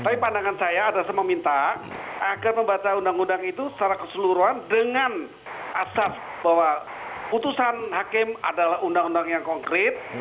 tapi pandangan saya adalah meminta agar membaca undang undang itu secara keseluruhan dengan asas bahwa putusan hakim adalah undang undang yang konkret